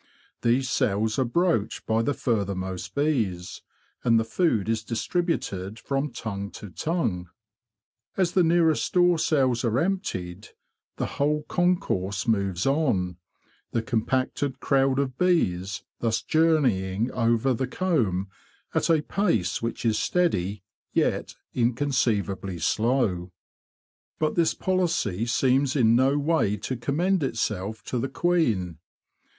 These cells are broached by the furthermost bees, and the food is distributed from tongue to tongue. As the nearest store cells are emptied, the whole con course moves on, the compacted crowd of bees thus journeying over the comb at a pace which is steady yet inconceivably slow. But this policy seems in no way to commend itself to the queen.